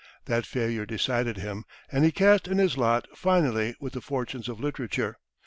That failure decided him, and he cast in his lot finally with the fortunes of literature.